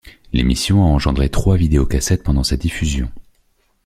L’émission a engendré trois vidéocassettes pendant sa diffusion.